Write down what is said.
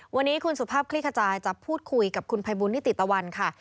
วันนี้คุณสุภาพคลี่ขจายจะพูดคุยกับคุณภัยบุญนิติตะวันค่ะ